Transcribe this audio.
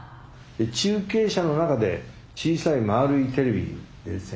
中継車の中で小さいまあるいテレビでですね